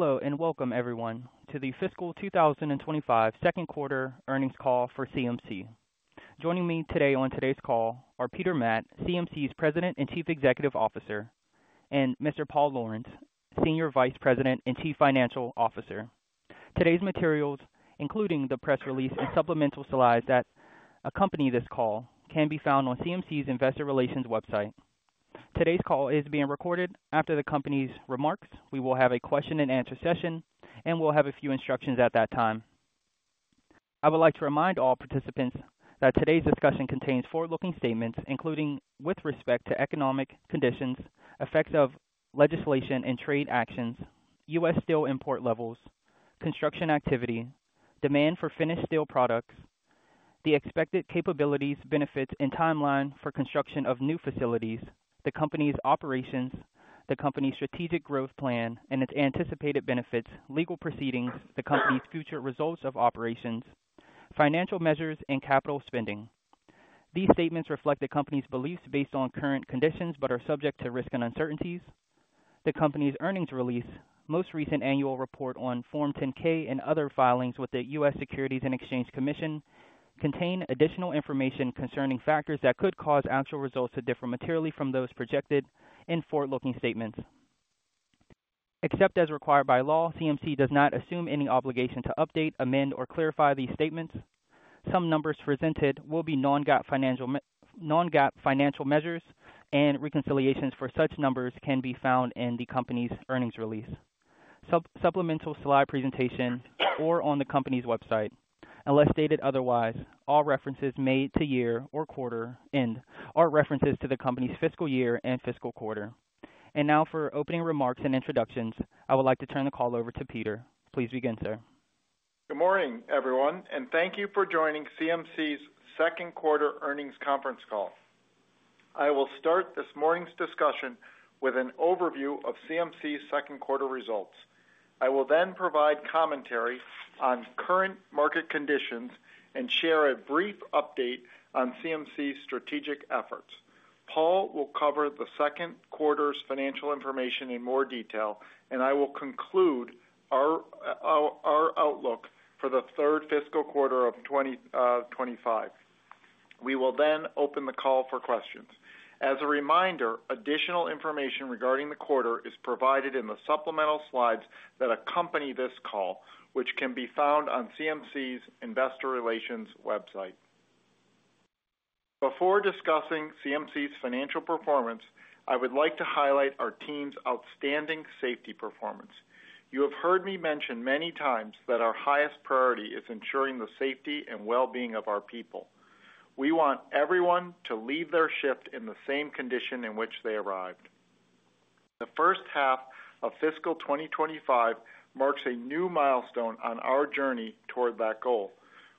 Hello and welcome, everyone, to the Fiscal 2025 Second Quarter Earnings Call for CMC. Joining me today on today's call are Peter Matt, CMC's President and Chief Executive Officer, and Mr. Paul Lawrence, Senior Vice President and Chief Financial Officer. Today's materials, including the press release and supplemental slides that accompany this call, can be found on CMC's Investor Relations website. Today's call is being recorded. After the company's remarks, we will have a question-and-answer session, and we'll have a few instructions at that time. I would like to remind all participants that today's discussion contains forward-looking statements, including with respect to economic conditions, effects of legislation and trade actions, U.S. steel import levels, construction activity, demand for finished steel products, the expected capabilities, benefits, and timeline for construction of new facilities, the company's operations, the company's strategic growth plan and its anticipated benefits, legal proceedings, the company's future results of operations, financial measures, and capital spending. These statements reflect the company's beliefs based on current conditions but are subject to risk and uncertainties. The company's earnings release, most recent annual report on Form 10-K and other filings with the U.S. Securities and Exchange Commission, contain additional information concerning factors that could cause actual results to differ materially from those projected in forward-looking statements. Except as required by law, CMC does not assume any obligation to update, amend, or clarify these statements. Some numbers presented will be non-GAAP financial measures, and reconciliations for such numbers can be found in the company's earnings release, supplemental slide presentation, or on the company's website. Unless stated otherwise, all references made to year or quarter end are references to the company's fiscal year and fiscal quarter. Now, for opening remarks and introductions, I would like to turn the call over to Peter. Please begin, sir. Good morning, everyone, and thank you for joining CMC's Second Quarter Earnings Conference Call. I will start this morning's discussion with an overview of CMC's second quarter results. I will then provide commentary on current market conditions and share a brief update on CMC's strategic efforts. Paul will cover the second quarter's financial information in more detail, and I will conclude our outlook for the third fiscal quarter of 2025. We will then open the call for questions. As a reminder, additional information regarding the quarter is provided in the supplemental slides that accompany this call, which can be found on CMC's Investor Relations website. Before discussing CMC's financial performance, I would like to highlight our team's outstanding safety performance. You have heard me mention many times that our highest priority is ensuring the safety and well-being of our people. We want everyone to leave their shift in the same condition in which they arrived. The first half of fiscal 2025 marks a new milestone on our journey toward that goal.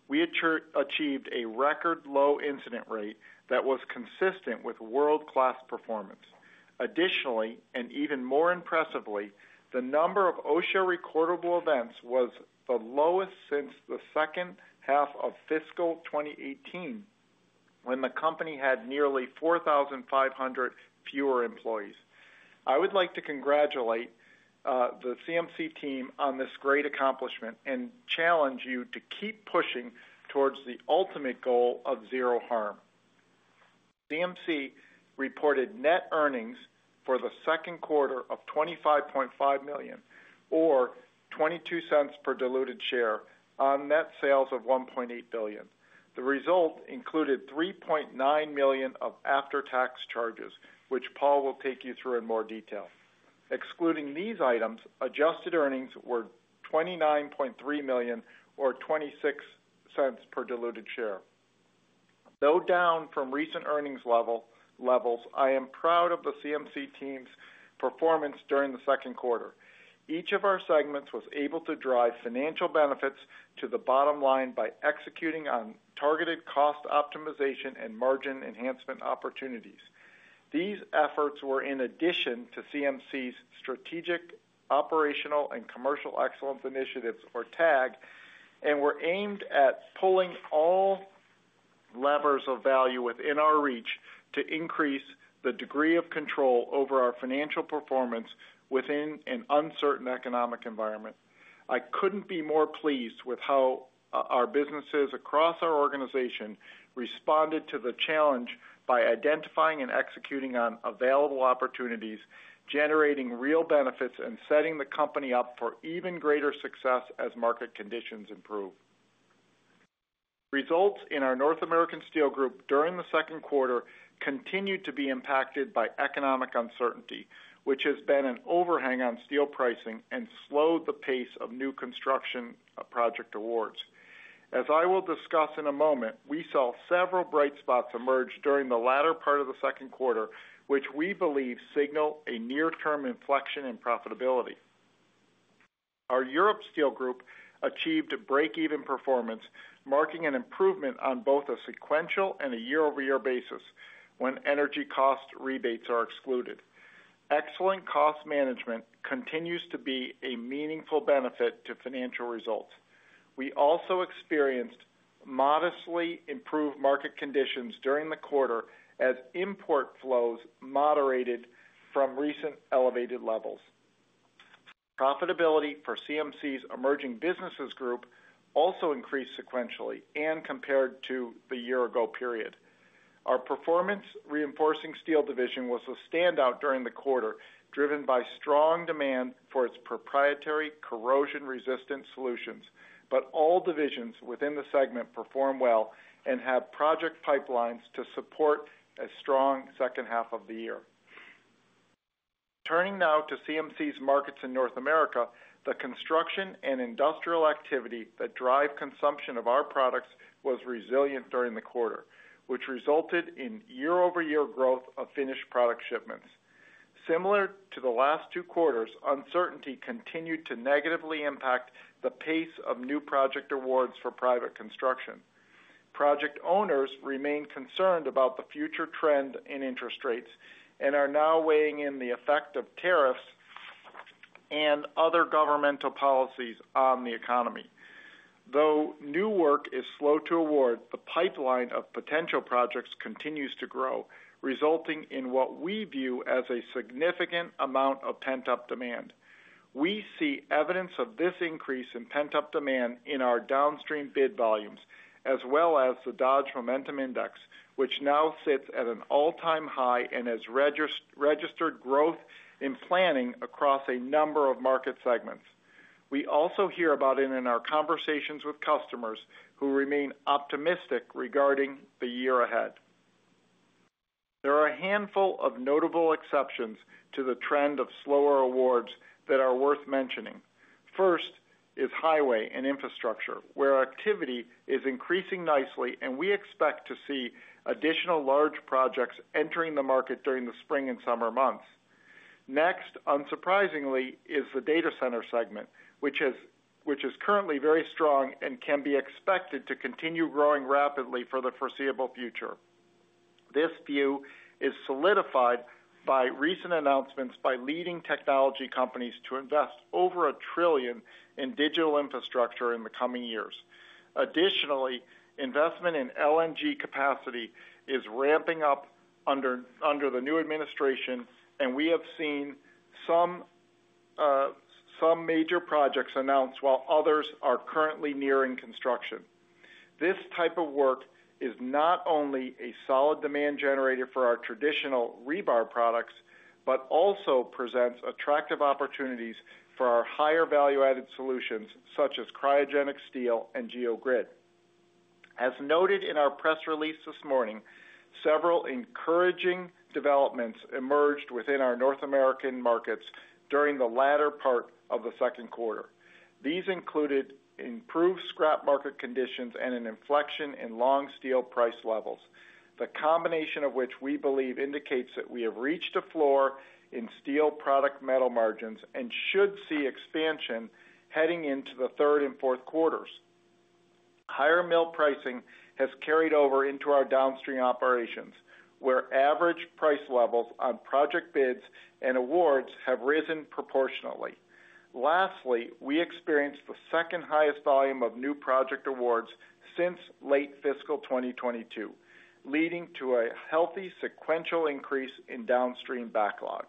We achieved a record low incident rate that was consistent with world-class performance. Additionally, and even more impressively, the number of OSHA recordable events was the lowest since the second half of fiscal 2018, when the company had nearly 4,500 fewer employees. I would like to congratulate the CMC team on this great accomplishment and challenge you to keep pushing towards the ultimate goal of zero harm. CMC reported net earnings for the second quarter of $25.5 million, or $0.22 per diluted share, on net sales of $1.8 billion. The result included $3.9 million of after-tax charges, which Paul will take you through in more detail. Excluding these items, adjusted earnings were $29.3 million, or $0.26 per diluted share. Though down from recent earnings levels, I am proud of the CMC team's performance during the second quarter. Each of our segments was able to drive financial benefits to the bottom line by executing on targeted cost optimization and margin enhancement opportunities. These efforts were in addition to CMC's Strategic Operational and Commercial Excellence Initiatives, or TAG, and were aimed at pulling all levers of value within our reach to increase the degree of control over our financial performance within an uncertain economic environment. I could not be more pleased with how our businesses across our organization responded to the challenge by identifying and executing on available opportunities, generating real benefits, and setting the company up for even greater success as market conditions improve. Results in our North American Steel Group during the second quarter continued to be impacted by economic uncertainty, which has been an overhang on steel pricing and slowed the pace of new construction project awards. As I will discuss in a moment, we saw several bright spots emerge during the latter part of the second quarter, which we believe signal a near-term inflection in profitability. Our Europe Steel Group achieved a break-even performance, marking an improvement on both a sequential and a year-over-year basis when energy cost rebates are excluded. Excellent cost management continues to be a meaningful benefit to financial results. We also experienced modestly improved market conditions during the quarter as import flows moderated from recent elevated levels. Profitability for CMC's Emerging Businesses Group also increased sequentially and compared to the year-ago period. Our Performance Reinforcing Steel division was a standout during the quarter, driven by strong demand for its proprietary corrosion-resistant solutions. All divisions within the segment performed well and have project pipelines to support a strong second half of the year. Turning now to CMC's markets in North America, the construction and industrial activity that drive consumption of our products was resilient during the quarter, which resulted in year-over-year growth of finished product shipments. Similar to the last two quarters, uncertainty continued to negatively impact the pace of new project awards for private construction. Project owners remain concerned about the future trend in interest rates and are now weighing in the effect of tariffs and other governmental policies on the economy. Though new work is slow to award, the pipeline of potential projects continues to grow, resulting in what we view as a significant amount of pent-up demand. We see evidence of this increase in pent-up demand in our downstream bid volumes, as well as the Dodge Momentum Index, which now sits at an all-time high and has registered growth in planning across a number of market segments. We also hear about it in our conversations with customers who remain optimistic regarding the year ahead. There are a handful of notable exceptions to the trend of slower awards that are worth mentioning. First is highway and infrastructure, where activity is increasing nicely, and we expect to see additional large projects entering the market during the spring and summer months. Next, unsurprisingly, is the data center segment, which is currently very strong and can be expected to continue growing rapidly for the foreseeable future. This view is solidified by recent announcements by leading technology companies to invest over $1 trillion in digital infrastructure in the coming years. Additionally, investment in LNG capacity is ramping up under the new administration, and we have seen some major projects announced while others are currently nearing construction. This type of work is not only a solid demand generator for our traditional rebar products but also presents attractive opportunities for our higher value-added solutions, such as cryogenic steel and geogrid. As noted in our press release this morning, several encouraging developments emerged within our North American markets during the latter part of the second quarter. These included improved scrap market conditions and an inflection in long steel price levels, the combination of which we believe indicates that we have reached a floor in steel product metal margins and should see expansion heading into the third and fourth quarters. Higher mill pricing has carried over into our downstream operations, where average price levels on project bids and awards have risen proportionally. Lastly, we experienced the second highest volume of new project awards since late fiscal 2022, leading to a healthy sequential increase in downstream backlog.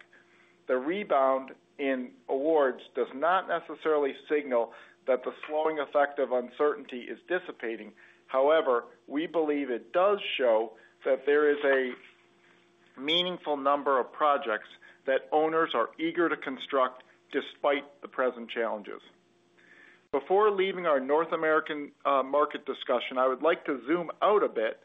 The rebound in awards does not necessarily signal that the slowing effect of uncertainty is dissipating. However, we believe it does show that there is a meaningful number of projects that owners are eager to construct despite the present challenges. Before leaving our North American market discussion, I would like to zoom out a bit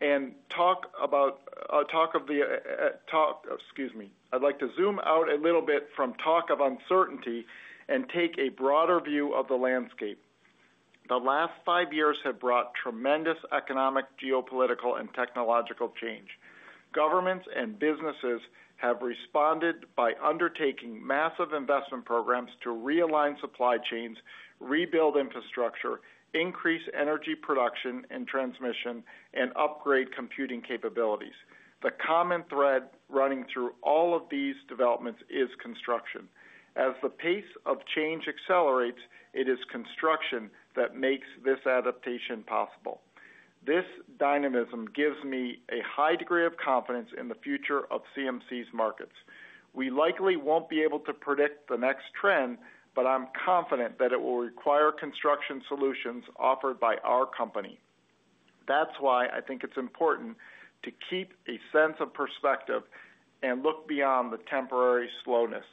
and talk about—excuse me. I'd like to zoom out a little bit from talk of uncertainty and take a broader view of the landscape. The last five years have brought tremendous economic, geopolitical, and technological change. Governments and businesses have responded by undertaking massive investment programs to realign supply chains, rebuild infrastructure, increase energy production and transmission, and upgrade computing capabilities. The common thread running through all of these developments is construction. As the pace of change accelerates, it is construction that makes this adaptation possible. This dynamism gives me a high degree of confidence in the future of CMC's markets. We likely won't be able to predict the next trend, but I'm confident that it will require construction solutions offered by our company. That's why I think it's important to keep a sense of perspective and look beyond the temporary slowness.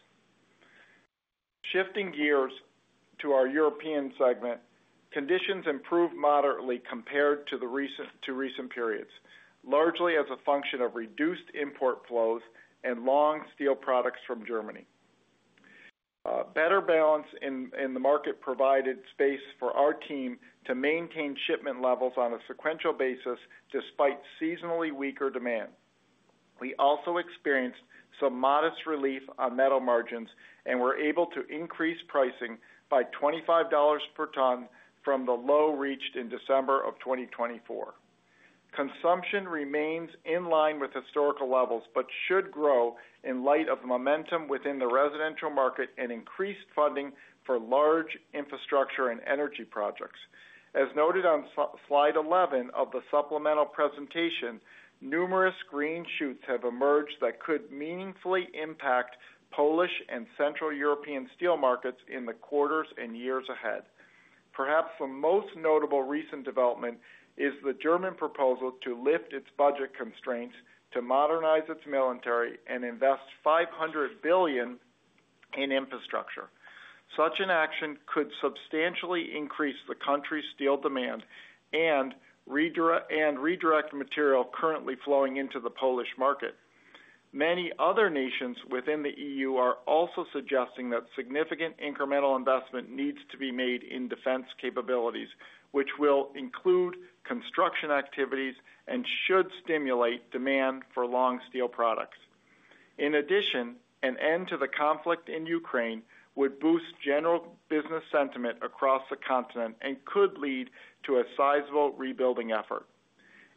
Shifting gears to our European segment, conditions improved moderately compared to recent periods, largely as a function of reduced import flows and long steel products from Germany. Better balance in the market provided space for our team to maintain shipment levels on a sequential basis despite seasonally weaker demand. We also experienced some modest relief on metal margins and were able to increase pricing by $25 per ton from the low reached in December of 2024. Consumption remains in line with historical levels but should grow in light of momentum within the residential market and increased funding for large infrastructure and energy projects. As noted on slide 11 of the supplemental presentation, numerous green shoots have emerged that could meaningfully impact Polish and Central European steel markets in the quarters and years ahead. Perhaps the most notable recent development is the German proposal to lift its budget constraints to modernize its military and invest $500 billion in infrastructure. Such an action could substantially increase the country's steel demand and redirect material currently flowing into the Polish market. Many other nations within the EU are also suggesting that significant incremental investment needs to be made in defense capabilities, which will include construction activities and should stimulate demand for long steel products. In addition, an end to the conflict in Ukraine would boost general business sentiment across the continent and could lead to a sizable rebuilding effort.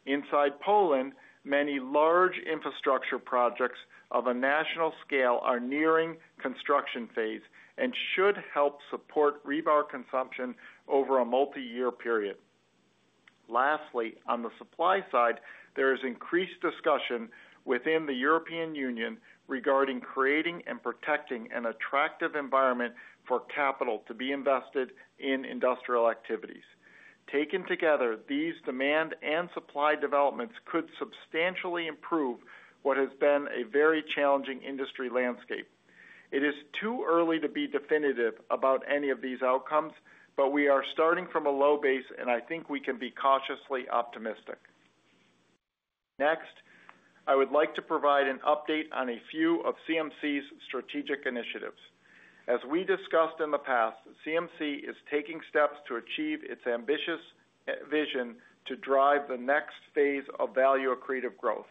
Inside Poland, many large infrastructure projects of a national scale are nearing construction phase and should help support rebar consumption over a multi-year period. Lastly, on the supply side, there is increased discussion within the European Union regarding creating and protecting an attractive environment for capital to be invested in industrial activities. Taken together, these demand and supply developments could substantially improve what has been a very challenging industry landscape. It is too early to be definitive about any of these outcomes, but we are starting from a low base, and I think we can be cautiously optimistic. Next, I would like to provide an update on a few of CMC's strategic initiatives. As we discussed in the past, CMC is taking steps to achieve its ambitious vision to drive the next phase of value-accretive growth.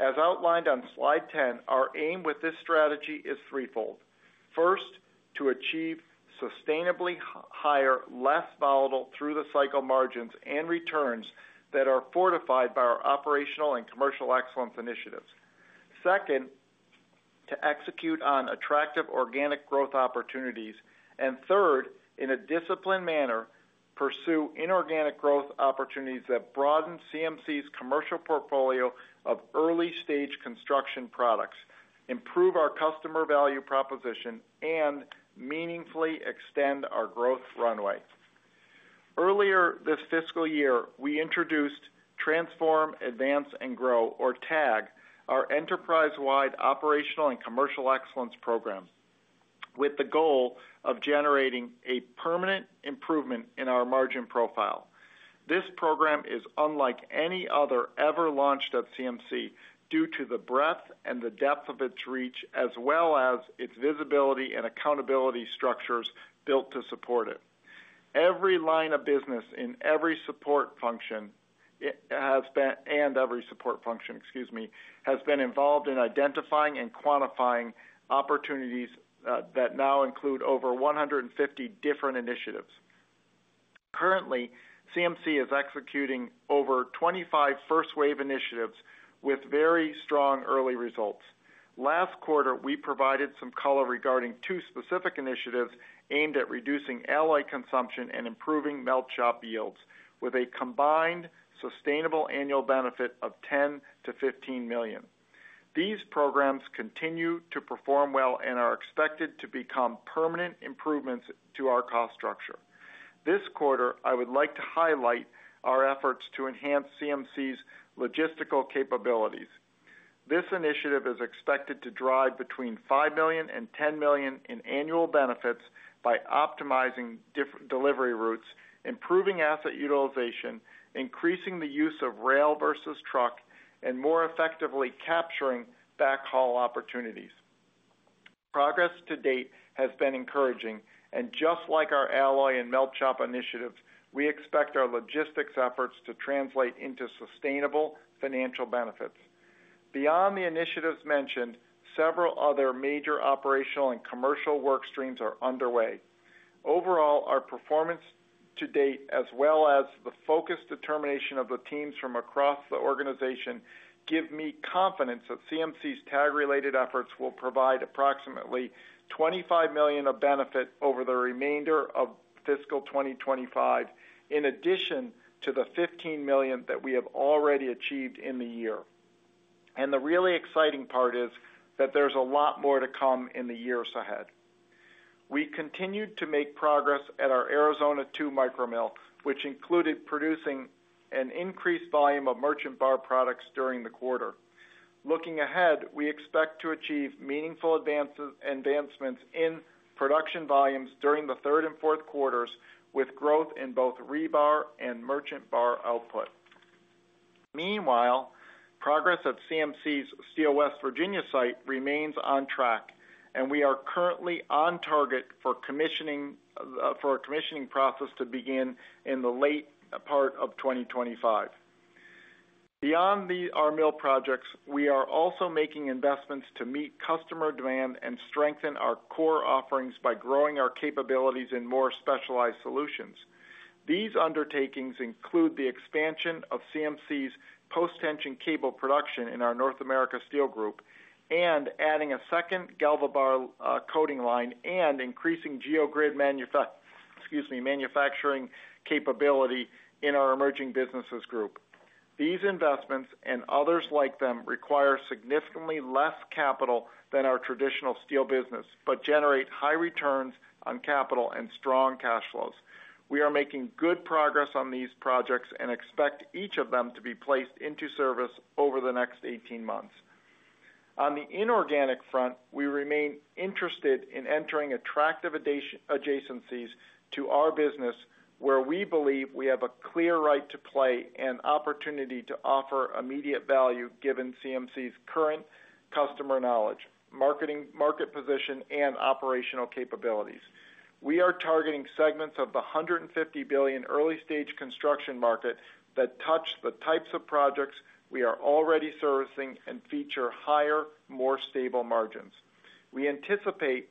As outlined on slide 10, our aim with this strategy is threefold. First, to achieve sustainably higher, less volatile through-the-cycle margins and returns that are fortified by our operational and commercial excellence initiatives. Second, to execute on attractive organic growth opportunities. Third, in a disciplined manner, pursue inorganic growth opportunities that broaden CMC's commercial portfolio of early-stage construction products, improve our customer value proposition, and meaningfully extend our growth runway. Earlier this fiscal year, we introduced Transform, Advance, and Grow, or TAG, our enterprise-wide operational and commercial excellence program, with the goal of generating a permanent improvement in our margin profile. This program is unlike any other ever launched at CMC due to the breadth and the depth of its reach, as well as its visibility and accountability structures built to support it. Every line of business in every support function has been, and every support function, excuse me, has been involved in identifying and quantifying opportunities that now include over 150 different initiatives. Currently, CMC is executing over 25 first-wave initiatives with very strong early results. Last quarter, we provided some color regarding two specific initiatives aimed at reducing alloy consumption and improving melt shop yields, with a combined sustainable annual benefit of $10 million-$15 million. These programs continue to perform well and are expected to become permanent improvements to our cost structure. This quarter, I would like to highlight our efforts to enhance CMC's logistical capabilities. This initiative is expected to drive between $5 million and $10 million in annual benefits by optimizing delivery routes, improving asset utilization, increasing the use of rail versus truck, and more effectively capturing backhaul opportunities. Progress to date has been encouraging, and just like our alloy and melt shop initiatives, we expect our logistics efforts to translate into sustainable financial benefits. Beyond the initiatives mentioned, several other major operational and commercial work streams are underway. Overall, our performance to date, as well as the focused determination of the teams from across the organization, give me confidence that CMC's TAG-related efforts will provide approximately $25 million of benefit over the remainder of fiscal 2025, in addition to the $15 million that we have already achieved in the year. The really exciting part is that there's a lot more to come in the years ahead. We continued to make progress at our Arizona 2 micromill, which included producing an increased volume of merchant bar products during the quarter. Looking ahead, we expect to achieve meaningful advancements in production volumes during the third and fourth quarters, with growth in both rebar and merchant bar output. Meanwhile, progress at CMC's Steel West Virginia site remains on track, and we are currently on target for a commissioning process to begin in the late part of 2025. Beyond our mill projects, we are also making investments to meet customer demand and strengthen our core offerings by growing our capabilities in more specialized solutions. These undertakings include the expansion of CMC's post-tension cable production in our North America Steel Group and adding a second GalvaBar coating line and increasing geogrid manufacturing capability in our emerging businesses group. These investments and others like them require significantly less capital than our traditional steel business but generate high returns on capital and strong cash flows. We are making good progress on these projects and expect each of them to be placed into service over the next 18 months. On the inorganic front, we remain interested in entering attractive adjacencies to our business, where we believe we have a clear right to play and opportunity to offer immediate value given CMC's current customer knowledge, market position, and operational capabilities. We are targeting segments of the $150 billion early-stage construction market that touch the types of projects we are already servicing and feature higher, more stable margins. We anticipate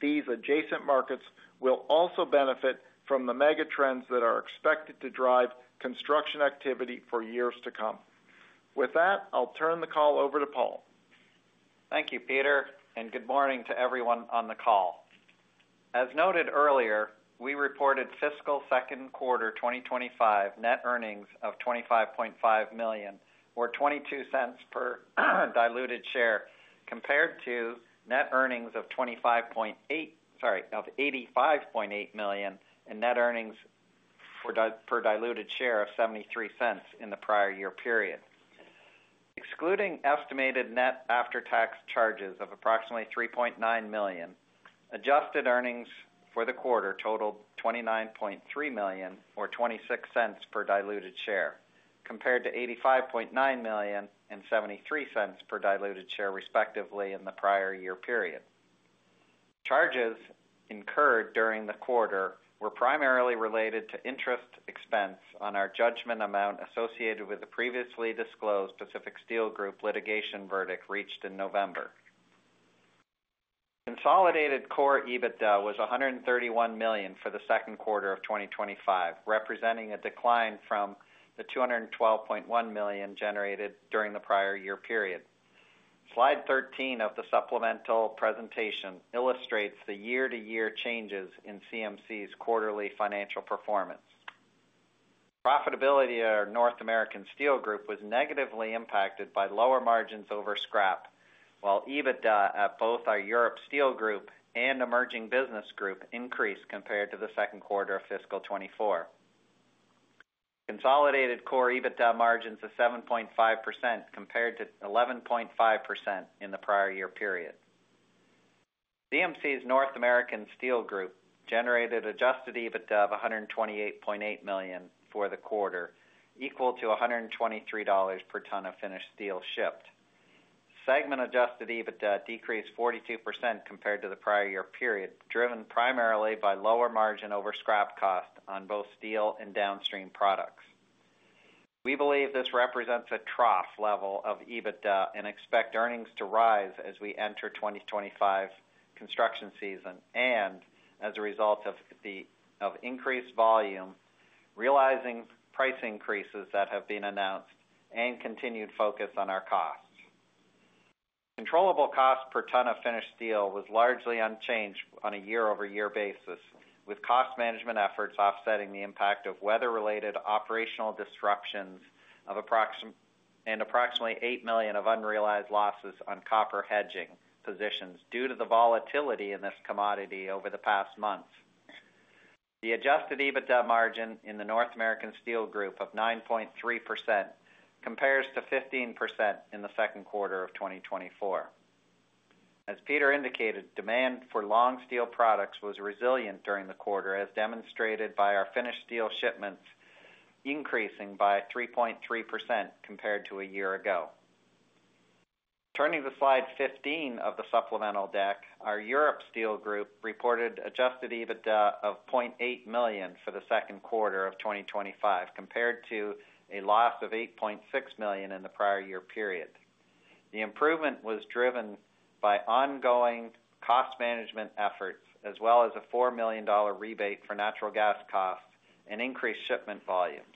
these adjacent markets will also benefit from the mega trends that are expected to drive construction activity for years to come. With that, I'll turn the call over to Paul. Thank you, Peter, and good morning to everyone on the call. As noted earlier, we reported fiscal second quarter 2025 net earnings of $25.5 million, or $0.22 per diluted share, compared to net earnings of $85.8 million and net earnings per diluted share of $0.73 in the prior year period. Excluding estimated net after-tax charges of approximately $3.9 million, adjusted earnings for the quarter totaled $29.3 million, or $0.26 per diluted share, compared to $85.9 million and $0.73 per diluted share, respectively, in the prior year period. Charges incurred during the quarter were primarily related to interest expense on our judgment amount associated with the previously disclosed Pacific Steel Group litigation verdict reached in November. Consolidated core EBITDA was $131 million for the second quarter of 2025, representing a decline from the $212.1 million generated during the prior year period. Slide 13 of the supplemental presentation illustrates the year-to-year changes in CMC's quarterly financial performance. Profitability of our North American Steel Group was negatively impacted by lower margins over scrap, while EBITDA at both our Europe Steel Group and Emerging Business Group increased compared to the second quarter of fiscal 2024. Consolidated core EBITDA margins of 7.5% compared to 11.5% in the prior year period. CMC's North American Steel Group generated adjusted EBITDA of $128.8 million for the quarter, equal to $123 per ton of finished steel shipped. Segment-adjusted EBITDA decreased 42% compared to the prior year period, driven primarily by lower margin over scrap cost on both steel and downstream products. We believe this represents a trough level of EBITDA and expect earnings to rise as we enter 2025 construction season and as a result of the increased volume, realizing price increases that have been announced and continued focus on our costs. Controllable cost per ton of finished steel was largely unchanged on a year-over-year basis, with cost management efforts offsetting the impact of weather-related operational disruptions and approximately $8 million of unrealized losses on copper hedging positions due to the volatility in this commodity over the past months. The adjusted EBITDA margin in the North American Steel Group of 9.3% compares to 15% in the second quarter of 2024. As Peter indicated, demand for long steel products was resilient during the quarter, as demonstrated by our finished steel shipments increasing by 3.3% compared to a year ago. Turning to slide 15 of the supplemental deck, our Europe Steel Group reported adjusted EBITDA of $0.8 million for the second quarter of 2025, compared to a loss of $8.6 million in the prior year period. The improvement was driven by ongoing cost management efforts, as well as a $4 million rebate for natural gas costs and increased shipment volumes.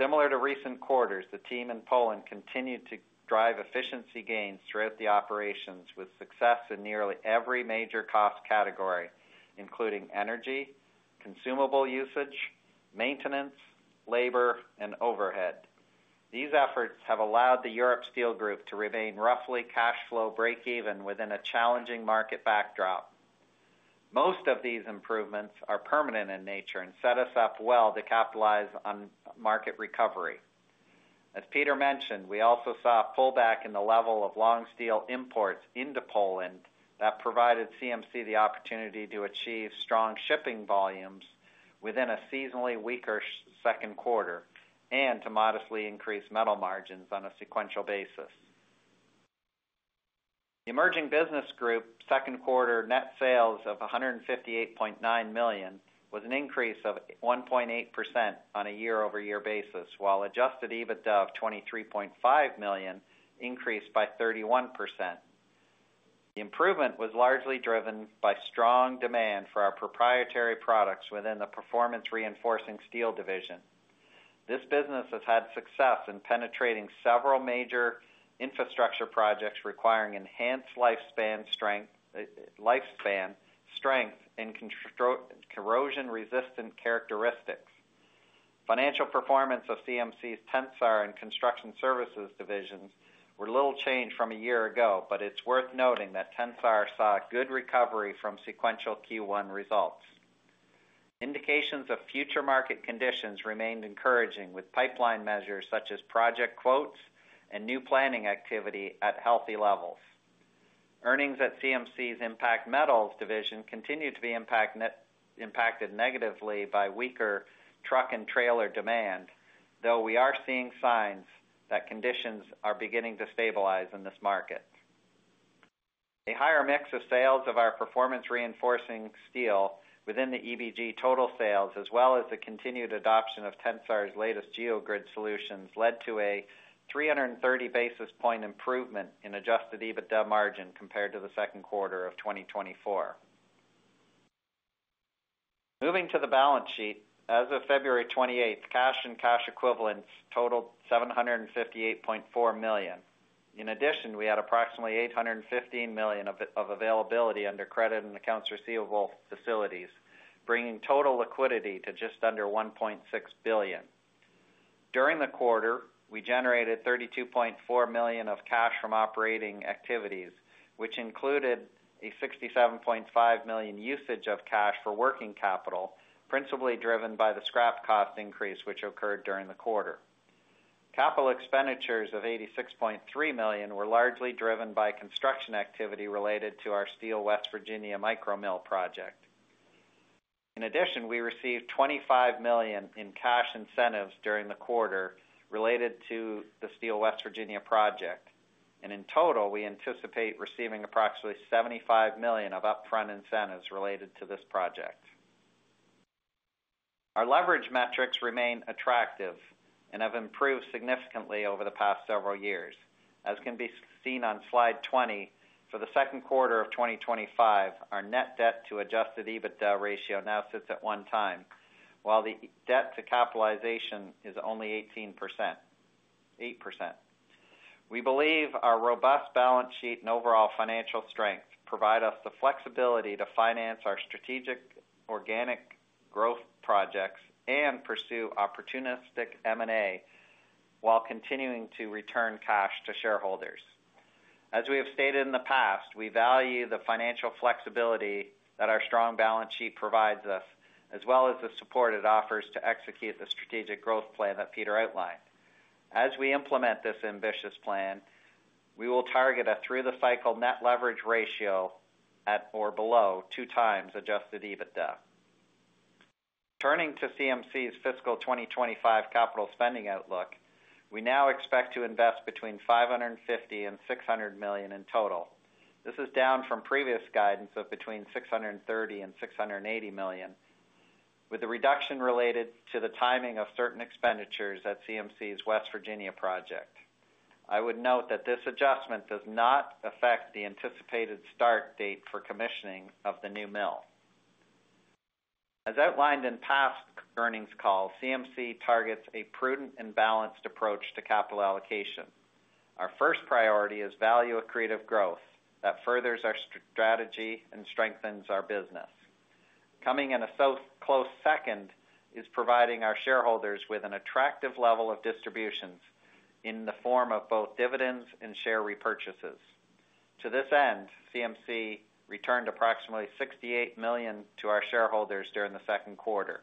Similar to recent quarters, the team in Poland continued to drive efficiency gains throughout the operations, with success in nearly every major cost category, including energy, consumable usage, maintenance, labor, and overhead. These efforts have allowed the Europe Steel Group to remain roughly cash flow break-even within a challenging market backdrop. Most of these improvements are permanent in nature and set us up well to capitalize on market recovery. As Peter mentioned, we also saw a pullback in the level of long steel imports into Poland that provided CMC the opportunity to achieve strong shipping volumes within a seasonally weaker second quarter and to modestly increase metal margins on a sequential basis. Emerging Business Group second quarter net sales of $158.9 million was an increase of 1.8% on a year-over-year basis, while adjusted EBITDA of $23.5 million increased by 31%. The improvement was largely driven by strong demand for our proprietary products within the Performance Reinforcing Steel division. This business has had success in penetrating several major infrastructure projects requiring enhanced lifespan strength and corrosion-resistant characteristics. Financial performance of CMC's Tensar and Construction Services divisions were little changed from a year ago, but it's worth noting that Tensar saw a good recovery from sequential Q1 results. Indications of future market conditions remained encouraging, with pipeline measures such as project quotes and new planning activity at healthy levels. Earnings at CMC's Impact Metals division continued to be impacted negatively by weaker truck and trailer demand, though we are seeing signs that conditions are beginning to stabilize in this market. A higher mix of sales of our performance-reinforcing steel within the EBG total sales, as well as the continued adoption of Tensar's latest geogrid solutions, led to a 330 basis point improvement in adjusted EBITDA margin compared to the second quarter of 2024. Moving to the balance sheet, as of February 28, cash and cash equivalents totaled $758.4 million. In addition, we had approximately $815 million of availability under credit and accounts receivable facilities, bringing total liquidity to just under $1.6 billion. During the quarter, we generated $32.4 million of cash from operating activities, which included a $67.5 million usage of cash for working capital, principally driven by the scrap cost increase which occurred during the quarter. Capital expenditures of $86.3 million were largely driven by construction activity related to our Steel West Virginia micromill project. In addition, we received $25 million in cash incentives during the quarter related to the Steel West Virginia project. In total, we anticipate receiving approximately $75 million of upfront incentives related to this project. Our leverage metrics remain attractive and have improved significantly over the past several years. As can be seen on slide 20, for the second quarter of 2025, our net debt to adjusted EBITDA ratio now sits at one time, while the debt to capitalization is only 8%. We believe our robust balance sheet and overall financial strength provide us the flexibility to finance our strategic organic growth projects and pursue opportunistic M&A while continuing to return cash to shareholders. As we have stated in the past, we value the financial flexibility that our strong balance sheet provides us, as well as the support it offers to execute the strategic growth plan that Peter outlined. As we implement this ambitious plan, we will target a through-the-cycle net leverage ratio at or below two times adjusted EBITDA. Turning to CMC's fiscal 2025 capital spending outlook, we now expect to invest between $550 million and $600 million in total. This is down from previous guidance of between $630 million and $680 million, with the reduction related to the timing of certain expenditures at CMC's West Virginia project. I would note that this adjustment does not affect the anticipated start date for commissioning of the new mill. As outlined in past earnings calls, CMC targets a prudent and balanced approach to capital allocation. Our first priority is value-accretive growth that furthers our strategy and strengthens our business. Coming in a close second is providing our shareholders with an attractive level of distributions in the form of both dividends and share repurchases. To this end, CMC returned approximately $68 million to our shareholders during the second quarter.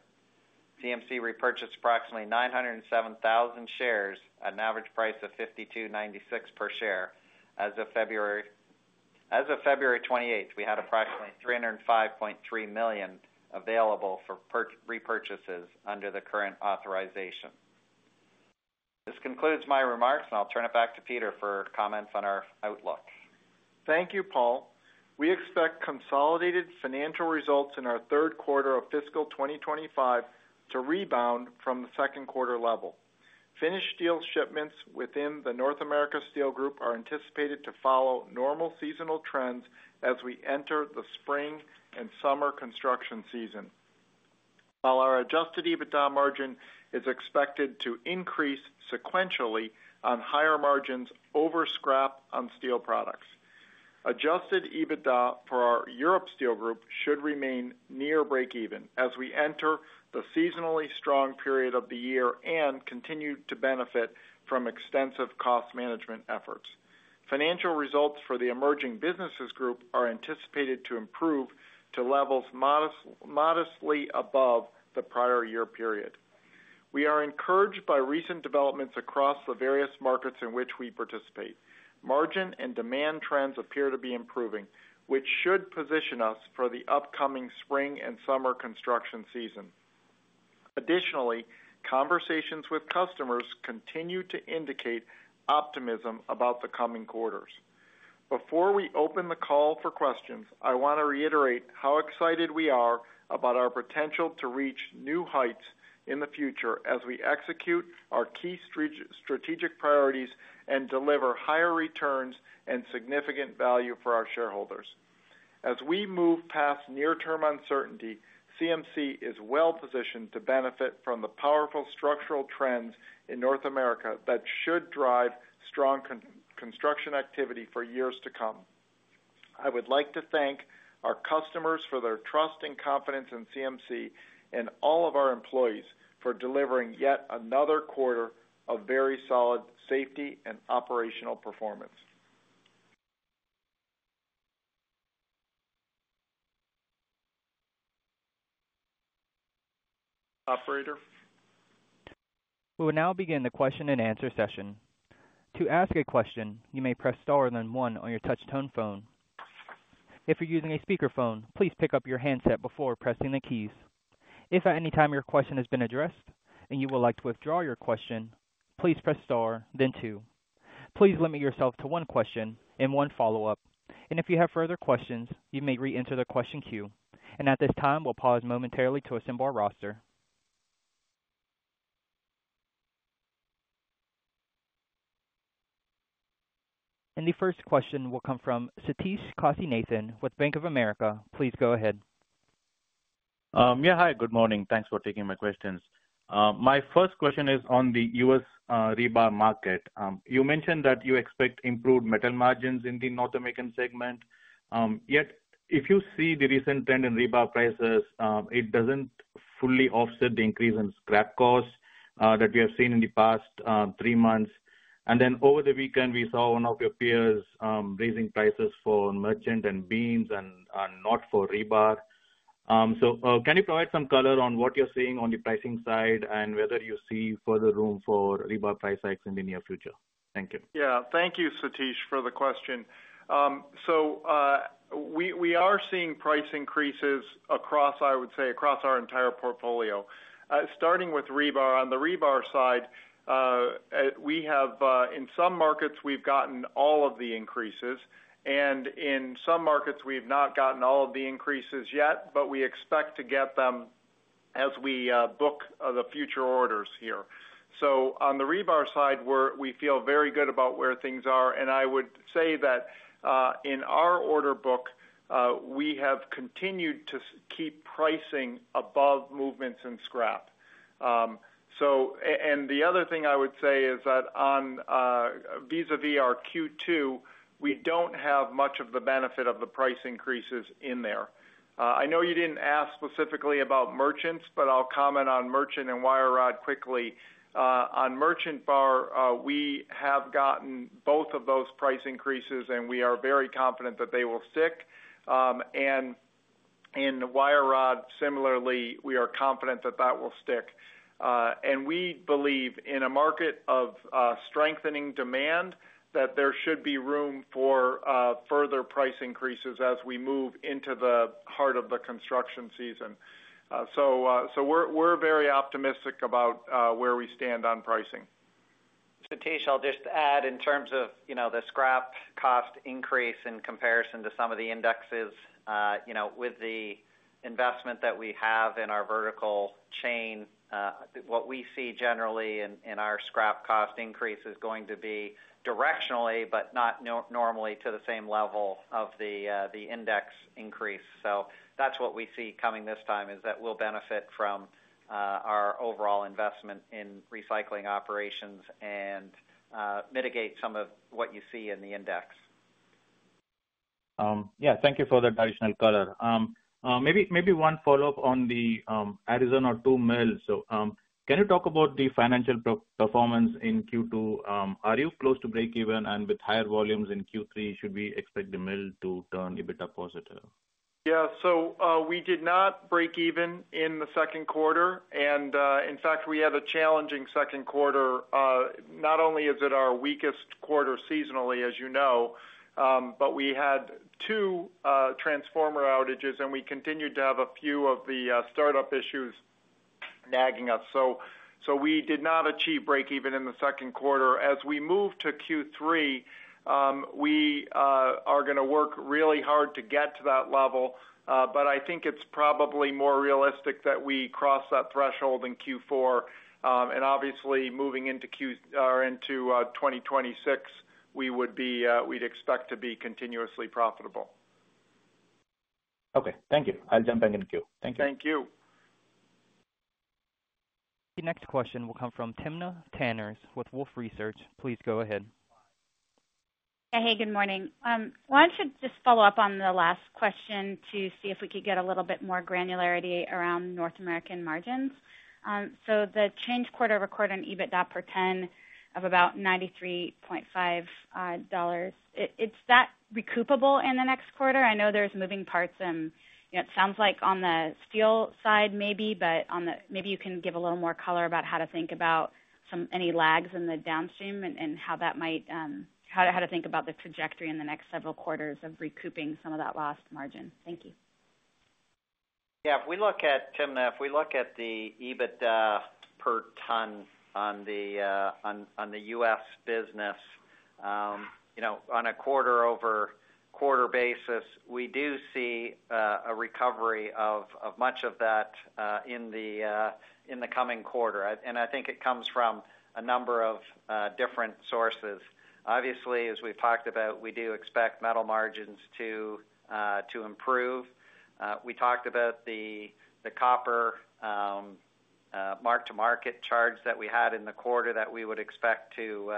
CMC repurchased approximately 907,000 shares at an average price of $52.96 per share. As of February 28, we had approximately $305.3 million available for repurchases under the current authorization. This concludes my remarks, and I'll turn it back to Peter for comments on our outlook. Thank you, Paul. We expect consolidated financial results in our third quarter of fiscal 2025 to rebound from the second quarter level. Finished steel shipments within the North America Steel Group are anticipated to follow normal seasonal trends as we enter the spring and summer construction season, while our adjusted EBITDA margin is expected to increase sequentially on higher margins over scrap on steel products. Adjusted EBITDA for our Europe Steel Group should remain near break-even as we enter the seasonally strong period of the year and continue to benefit from extensive cost management efforts. Financial results for the Emerging Businesses Group are anticipated to improve to levels modestly above the prior year period. We are encouraged by recent developments across the various markets in which we participate. Margin and demand trends appear to be improving, which should position us for the upcoming spring and summer construction season. Additionally, conversations with customers continue to indicate optimism about the coming quarters. Before we open the call for questions, I want to reiterate how excited we are about our potential to reach new heights in the future as we execute our key strategic priorities and deliver higher returns and significant value for our shareholders. As we move past near-term uncertainty, CMC is well positioned to benefit from the powerful structural trends in North America that should drive strong construction activity for years to come. I would like to thank our customers for their trust and confidence in CMC and all of our employees for delivering yet another quarter of very solid safety and operational performance. Operator. We will now begin the question-and-answer session. To ask a question, you may press star and then one on your touch-tone phone. If you're using a speakerphone, please pick up your handset before pressing the keys. If at any time your question has been addressed and you would like to withdraw your question, please press star, then two. Please limit yourself to one question and one follow-up. If you have further questions, you may re-enter the question queue. At this time, we'll pause momentarily to assemble our roster. The first question will come from Sathish Kasinathan with Bank of America. Please go ahead. Yeah, hi, good morning. Thanks for taking my questions. My first question is on the U.S. rebar market. You mentioned that you expect improved metal margins in the North American segment. Yet, if you see the recent trend in rebar prices, it does not fully offset the increase in scrap cost that we have seen in the past three months. Over the weekend, we saw one of your peers raising prices for merchant and beams and not for rebar. Can you provide some color on what you are seeing on the pricing side and whether you see further room for rebar price hikes in the near future? Thank you. Yeah, thank you, Sathish, for the question. We are seeing price increases across, I would say, across our entire portfolio, starting with rebar. On the rebar side, in some markets, we've gotten all of the increases. In some markets, we've not gotten all of the increases yet, but we expect to get them as we book the future orders here. On the rebar side, we feel very good about where things are. I would say that in our order book, we have continued to keep pricing above movements in scrap. The other thing I would say is that vis-à-vis our Q2, we do not have much of the benefit of the price increases in there. I know you did not ask specifically about merchants, but I'll comment on merchant and wire rod quickly. On merchant bar, we have gotten both of those price increases, and we are very confident that they will stick. In wire rod, similarly, we are confident that that will stick. We believe in a market of strengthening demand that there should be room for further price increases as we move into the heart of the construction season. We are very optimistic about where we stand on pricing. Sathish, I'll just add in terms of the scrap cost increase in comparison to some of the indexes, with the investment that we have in our vertical chain, what we see generally in our scrap cost increase is going to be directionally, but not normally to the same level of the index increase. That is what we see coming this time is that we'll benefit from our overall investment in recycling operations and mitigate some of what you see in the index. Yeah, thank you for the additional color. Maybe one follow-up on the Arizona 2 mill. Can you talk about the financial performance in Q2? Are you close to break-even, and with higher volumes in Q3, should we expect the mill to turn a bit up positive? Yeah, we did not break even in the second quarter. In fact, we had a challenging second quarter. Not only is it our weakest quarter seasonally, as you know, but we had two transformer outages, and we continued to have a few of the startup issues nagging us. We did not achieve break-even in the second quarter. As we move to Q3, we are going to work really hard to get to that level. I think it is probably more realistic that we cross that threshold in Q4. Obviously, moving into 2026, we would expect to be continuously profitable. Okay, thank you. I'll jump back into queue. Thank you. Thank you. The next question will come from Timna Tanners with Wolfe Research. Please go ahead. Yeah, hey, good morning. I should just follow up on the last question to see if we could get a little bit more granularity around North American margins. The [change] quarter recorded an EBITDA per ton of about $93.5. Is that recoupable in the next quarter? I know there's moving parts. It sounds like on the steel side maybe, but maybe you can give a little more color about how to think about any lags in the downstream and how that might, how to think about the trajectory in the next several quarters of recouping some of that lost margin. Thank you. Yeah, if we look at Timna, if we look at the EBITDA per ton on the U.S. business on a quarter-over-quarter basis, we do see a recovery of much of that in the coming quarter. I think it comes from a number of different sources. Obviously, as we've talked about, we do expect metal margins to improve. We talked about the copper mark-to-market charge that we had in the quarter that we would expect to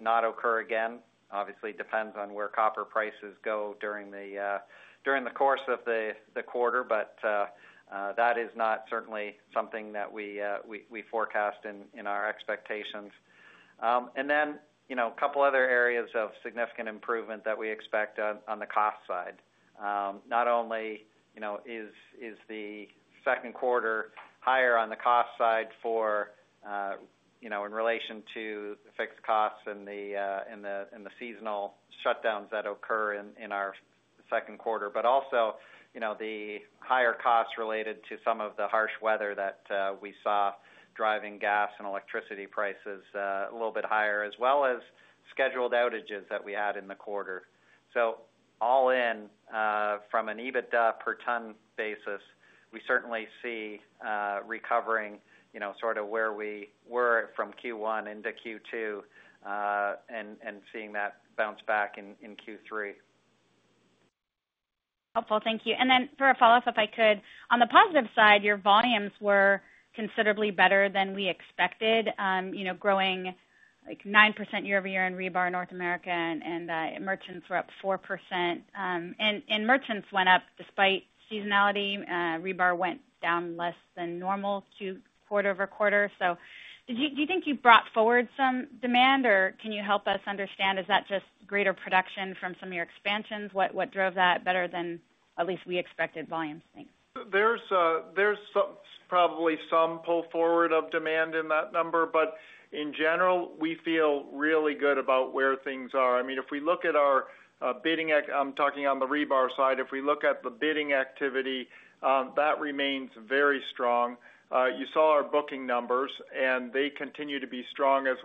not occur again. Obviously, it depends on where copper prices go during the course of the quarter, but that is not certainly something that we forecast in our expectations. A couple of other areas of significant improvement that we expect on the cost side. Not only is the second quarter higher on the cost side in relation to fixed costs and the seasonal shutdowns that occur in our second quarter, but also the higher costs related to some of the harsh weather that we saw driving gas and electricity prices a little bit higher, as well as scheduled outages that we had in the quarter. All in, from an EBITDA per ton basis, we certainly see recovering sort of where we were from Q1 into Q2 and seeing that bounce back in Q3. Helpful, thank you. For a follow-up, if I could, on the positive side, your volumes were considerably better than we expected, growing 9% year-over-year in rebar in North America, and merchants were up 4%. Merchants went up despite seasonality. Rebar went down less than normal two quarter over quarter. Do you think you brought forward some demand, or can you help us understand? Is that just greater production from some of your expansions? What drove that better than at least we expected volumes? Thanks. There's probably some pull forward of demand in that number, but in general, we feel really good about where things are. I mean, if we look at our bidding, I'm talking on the rebar side, if we look at the bidding activity, that remains very strong. You saw our booking numbers, and they continue to be strong as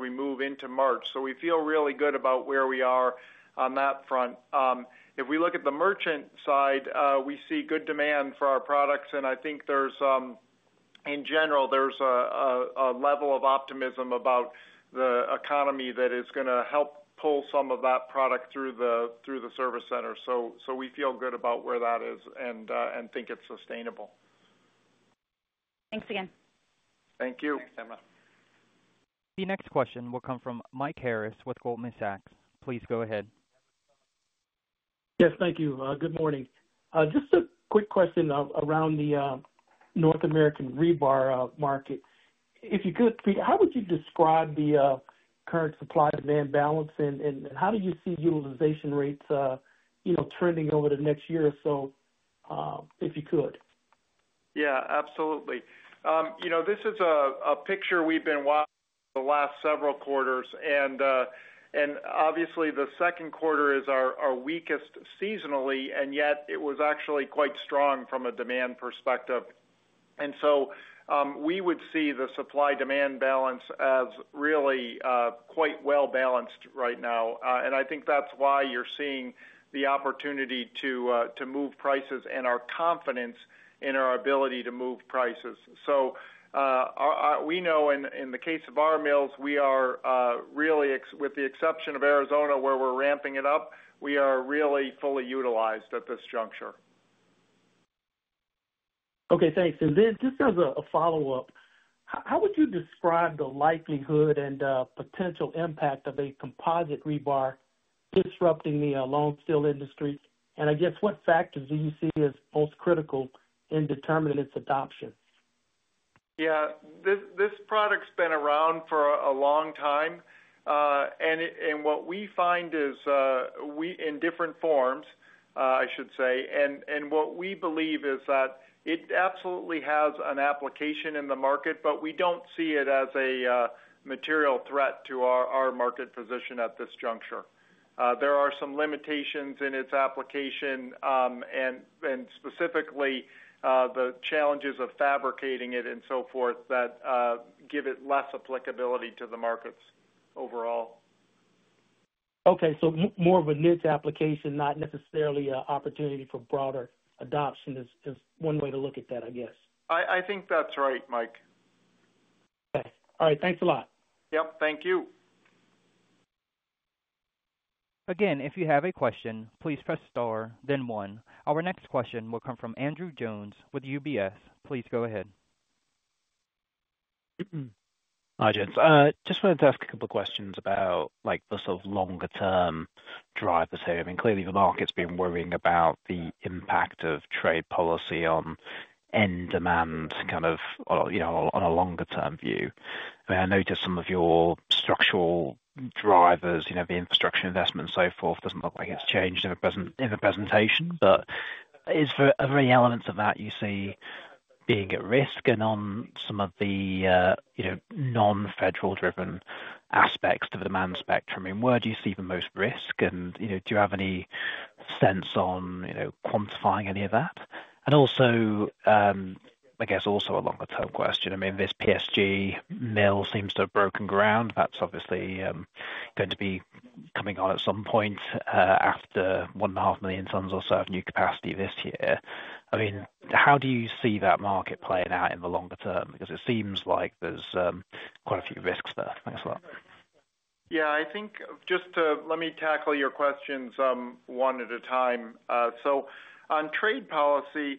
we move into March. We feel really good about where we are on that front. If we look at the merchant side, we see good demand for our products. I think in general, there's a level of optimism about the economy that is going to help pull some of that product through the service center. We feel good about where that is and think it's sustainable. Thanks again. Thank you. Thanks, Timna. The next question will come from Mike Harris with Goldman Sachs. Please go ahead. Yes, thank you. Good morning. Just a quick question around the North American rebar market. If you could, how would you describe the current supply-demand balance, and how do you see utilization rates trending over the next year or so if you could? Yeah, absolutely. This is a picture we've been watching the last several quarters. Obviously, the second quarter is our weakest seasonally, and yet it was actually quite strong from a demand perspective. We would see the supply-demand balance as really quite well-balanced right now. I think that's why you're seeing the opportunity to move prices and our confidence in our ability to move prices. We know in the case of our mills, we are really, with the exception of Arizona where we're ramping it up, we are really fully utilized at this juncture. Okay, thanks. Just as a follow-up, how would you describe the likelihood and potential impact of a composite rebar disrupting the long-steel industry? I guess what factors do you see as most critical in determining its adoption? This product's been around for a long time. What we find is in different forms, I should say. What we believe is that it absolutely has an application in the market, but we do not see it as a material threat to our market position at this juncture. There are some limitations in its application and specifically the challenges of fabricating it and so forth that give it less applicability to the markets overall. Okay, so more of a niche application, not necessarily an opportunity for broader adoption is one way to look at that, I guess. I think that's right, Mike. All right, thanks a lot. Yep, thank you. Again, if you have a question, please press star, then one. Our next question will come from Andrew Jones with UBS. Please go ahead. Hi. Just wanted to ask a couple of questions about the sort of longer-term drivers here. I mean, clearly, the market's been worrying about the impact of trade policy on end demand kind of on a longer-term view. I mean, I noticed some of your structural drivers, the infrastructure investment and so forth, does not look like it has changed in the presentation. Is there any elements of that you see being at risk? On some of the non-federal-driven aspects of the demand spectrum, where do you see the most risk? Do you have any sense on quantifying any of that? I guess also a longer-term question. I mean, this Pacific Steel Group mill seems to have broken ground. That is obviously going to be coming on at some point after one and a half million tons or so of new capacity this year. I mean, how do you see that market playing out in the longer term? Because it seems like there's quite a few risks there. Thanks a lot. Yeah, I think just let me tackle your questions one at a time. On trade policy,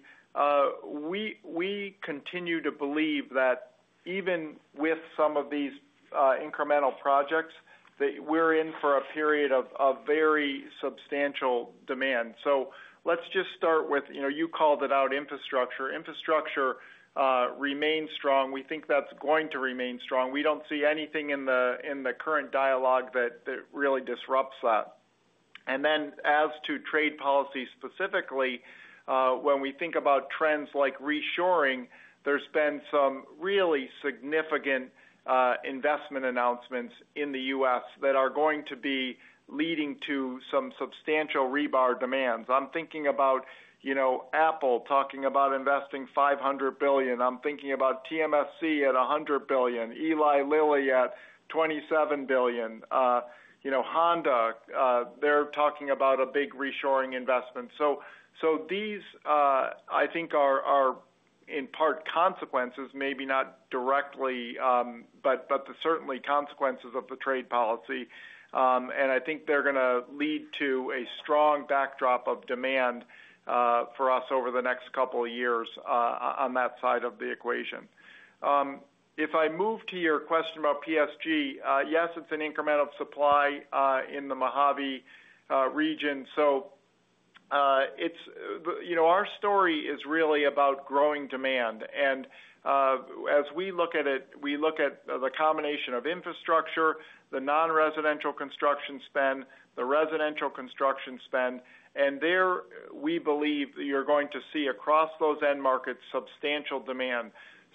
we continue to believe that even with some of these incremental projects, that we're in for a period of very substantial demand. Let's just start with, you called it out, infrastructure. Infrastructure remains strong. We think that's going to remain strong. We don't see anything in the current dialogue that really disrupts that. As to trade policy specifically, when we think about trends like reshoring, there's been some really significant investment announcements in the U.S. that are going to be leading to some substantial rebar demands. I'm thinking about Apple talking about investing $500 billion. I'm thinking about TSMC at $100 billion, Eli Lilly at $27 billion, Honda, they're talking about a big reshoring investment. These, I think, are in part consequences, maybe not directly, but certainly consequences of the trade policy. I think they're going to lead to a strong backdrop of demand for us over the next couple of years on that side of the equation. If I move to your question about PSG, yes, it's an incremental supply in the Mojave region. Our story is really about growing demand. As we look at it, we look at the combination of infrastructure, the non-residential construction spend, the residential construction spend. There, we believe you're going to see across those end markets substantial demand.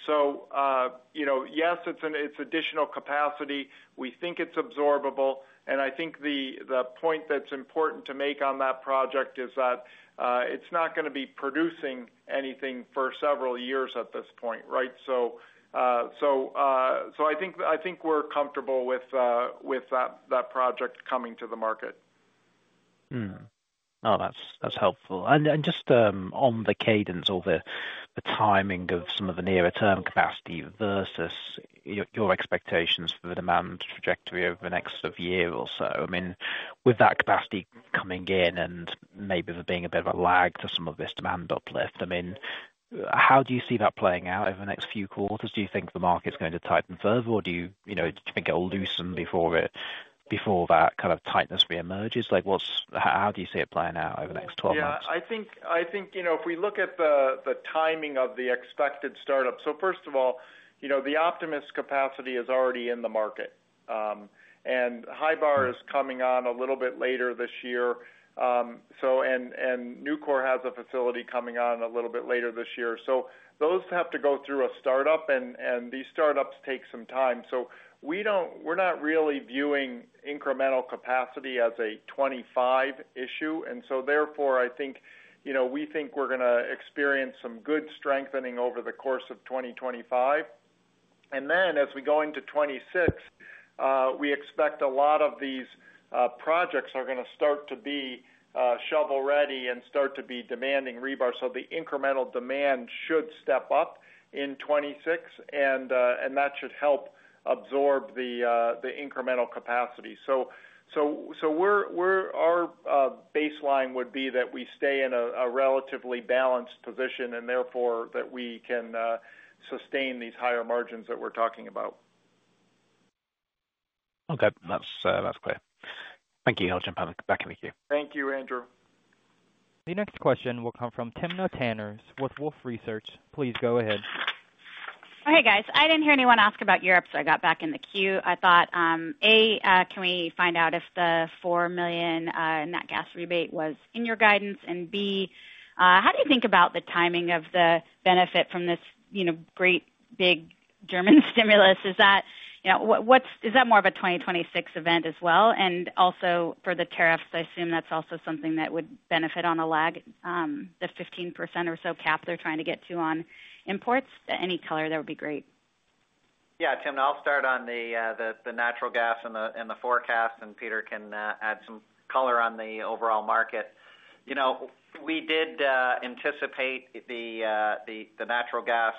Yes, it's additional capacity. We think it's absorbable. I think the point that's important to make on that project is that it's not going to be producing anything for several years at this point, right? I think we're comfortable with that project coming to the market. Oh, that's helpful. Just on the cadence or the timing of some of the nearer-term capacity versus your expectations for the demand trajectory over the next sort of year or so. I mean, with that capacity coming in and maybe there being a bit of a lag to some of this demand uplift, I mean, how do you see that playing out over the next few quarters? Do you think the market's going to tighten further, or do you think it'll loosen before that kind of tightness reemerges? How do you see it playing out over the next 12 months? Yeah, I think if we look at the timing of the expected startup, first of all, the Optimus capacity is already in the market. Hybar is coming on a little bit later this year. Nucor has a facility coming on a little bit later this year. Those have to go through a startup, and these startups take some time. We are not really viewing incremental capacity as a 2025 issue. Therefore, I think we think we are going to experience some good strengthening over the course of 2025. As we go into 2026, we expect a lot of these projects are going to start to be shovel-ready and start to be demanding rebar. The incremental demand should step up in 2026, and that should help absorb the incremental capacity. Our baseline would be that we stay in a relatively balanced position and therefore that we can sustain these higher margins that we're talking about. Okay, that's clear. Thank you. I'll jump back in with you. Thank you, Andrew. The next question will come from Timna Tanners with Wolfe Research. Please go ahead. Hey, guys. I didn't hear anyone ask about Europe. I got back in the queue. I thought, A, can we find out if the $4 million net gas rebate was in your guidance? B, how do you think about the timing of the benefit from this great big German stimulus? Is that more of a 2026 event as well? Also, for the tariffs, I assume that's also something that would benefit on a lag, the 15% or so cap they're trying to get to on imports. Any color, that would be great. Yeah, Timna, I'll start on the natural gas and the forecast, and Peter can add some color on the overall market. We did anticipate the natural gas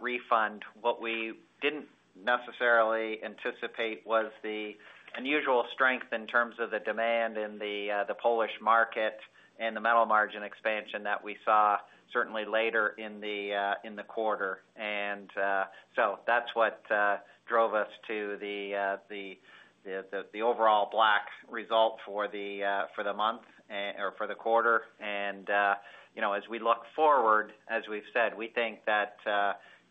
refund. What we didn't necessarily anticipate was the unusual strength in terms of the demand in the Polish market and the metal margin expansion that we saw certainly later in the quarter. That is what drove us to the overall black result for the month or for the quarter. As we look forward, as we've said, we think that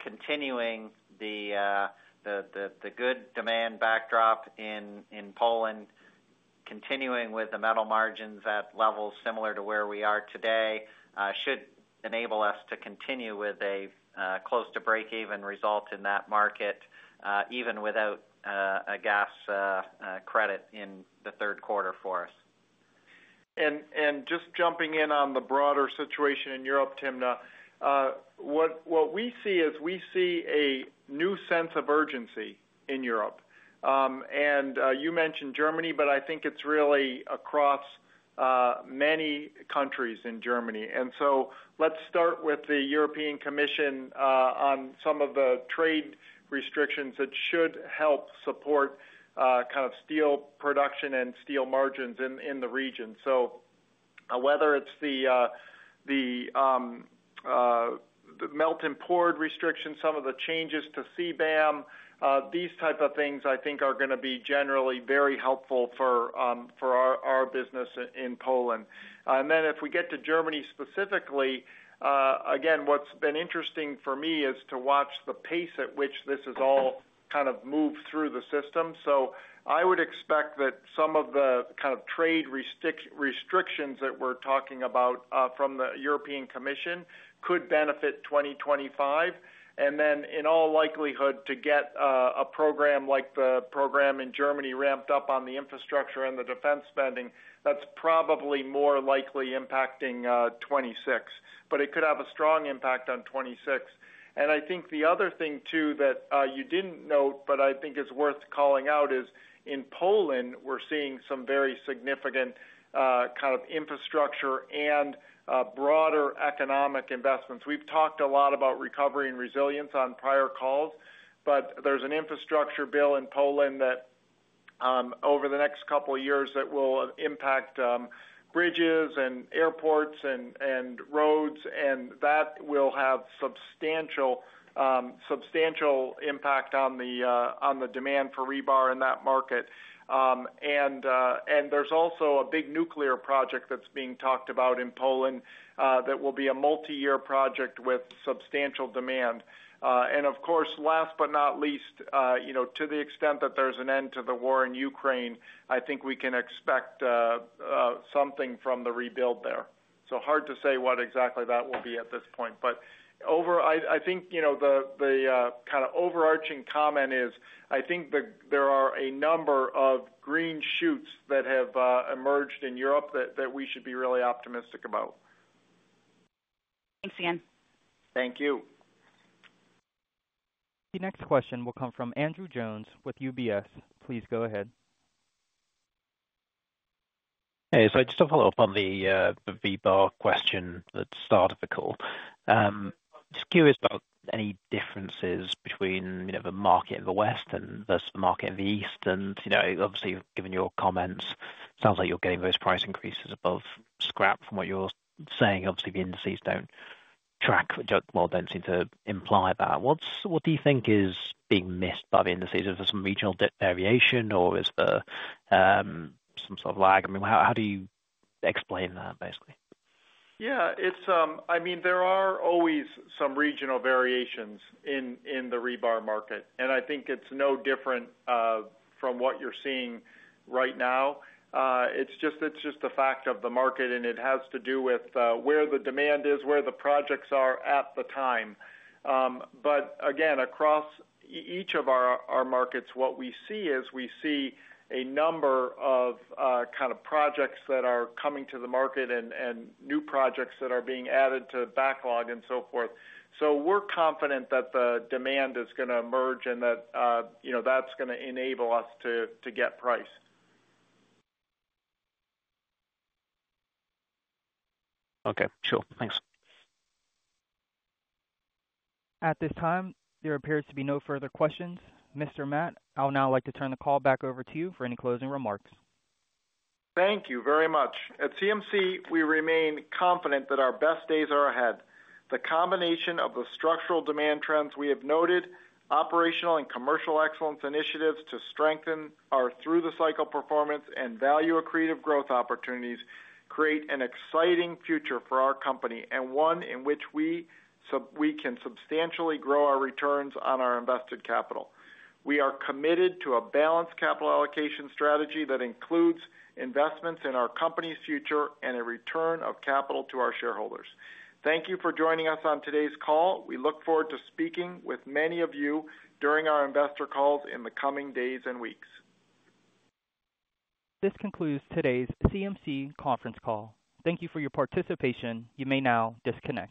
continuing the good demand backdrop in Poland, continuing with the metal margins at levels similar to where we are today, should enable us to continue with a close to break-even result in that market, even without a gas credit in the third quarter for us. Just jumping in on the broader situation in Europe, Timna, what we see is we see a new sense of urgency in Europe. You mentioned Germany, but I think it's really across many countries in Germany. Let's start with the European Commission on some of the trade restrictions that should help support kind of steel production and steel margins in the region. Whether it's the melt and pour restrictions, some of the changes to CBAM, these type of things I think are going to be generally very helpful for our business in Poland. If we get to Germany specifically, again, what's been interesting for me is to watch the pace at which this has all kind of moved through the system. I would expect that some of the kind of trade restrictions that we're talking about from the European Commission could benefit 2025. In all likelihood, to get a program like the program in Germany ramped up on the infrastructure and the defense spending, that's probably more likely impacting 2026. It could have a strong impact on 2026. I think the other thing too that you didn't note, but I think is worth calling out is in Poland, we're seeing some very significant kind of infrastructure and broader economic investments. We've talked a lot about Recovery and Resilience on prior calls, but there's an infrastructure bill in Poland that over the next couple of years will impact bridges and airports and roads, and that will have substantial impact on the demand for rebar in that market. There is also a big nuclear project that's being talked about in Poland that will be a multi-year project with substantial demand. Of course, last but not least, to the extent that there's an end to the war in Ukraine, I think we can expect something from the rebuild there. Hard to say what exactly that will be at this point. I think the kind of overarching comment is I think there are a number of green shoots that have emerged in Europe that we should be really optimistic about. Thanks again. Thank you. The next question will come from Andrew Jones with UBS. Please go ahead. Hey, just a follow-up on the rebar question that started the call. Just curious about any differences between the market in the West versus the market in the East. Obviously, given your comments, it sounds like you're getting those price increases above scrap from what you're saying. Obviously, the indices don't track or don't seem to imply that. What do you think is being missed by the indices? Is there some regional variation, or is there some sort of lag? I mean, how do you explain that, basically? Yeah, I mean, there are always some regional variations in the rebar market. I think it's no different from what you're seeing right now. It's just the fact of the market, and it has to do with where the demand is, where the projects are at the time. Again, across each of our markets, what we see is we see a number of kind of projects that are coming to the market and new projects that are being added to backlog and so forth. We're confident that the demand is going to emerge and that that's going to enable us to get price. Okay, sure. Thanks. At this time, there appears to be no further questions. Mr. Matt, I'd now like to turn the call back over to you for any closing remarks. Thank you very much. At CMC, we remain confident that our best days are ahead. The combination of the structural demand trends we have noted, operational and commercial excellence initiatives to strengthen our through-the-cycle performance and value accretive growth opportunities create an exciting future for our company, and one in which we can substantially grow our returns on our invested capital. We are committed to a balanced capital allocation strategy that includes investments in our company's future and a return of capital to our shareholders. Thank you for joining us on today's call. We look forward to speaking with many of you during our investor calls in the coming days and weeks. This concludes today's CMC conference call. Thank you for your participation. You may now disconnect.